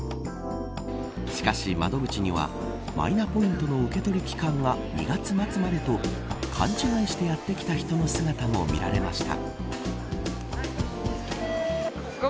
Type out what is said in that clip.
しかし、窓口にはマイナポイントの受け取り期間が２月末までと勘違いしてやって来た人たちの姿も見られました。